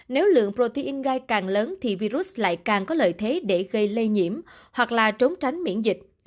nếu lượng protein gai càng lớn thì virus lại càng có lợi thế để gây lây nhiễm hoặc là trốn tránh miễn dịch